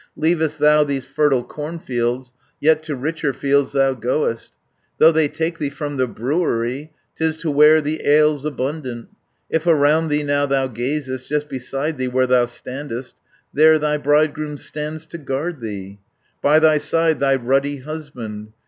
Leavest thou these fertile cornfields, Yet to richer fields thou goest, Though they take thee from the brewery, 'Tis to where the ale's abundant. "If around thee now thou gazest, Just beside thee where thou standest, 470 There thy bridegroom stands to guard thee, By thy side thy ruddy husband.